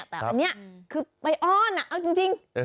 แต่อันนี้คือไปอ้อนเอาจริง